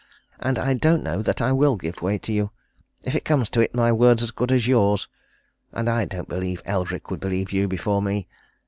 And I don't know that I will give way to you. If it comes to it, my word's as good as yours and I don't believe Eldrick would believe you before me.